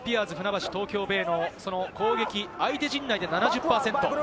今スピアーズ船橋・東京ベイの攻撃、相手陣内で７０％。